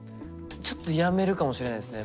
ちょっとやめるかもしれないですね。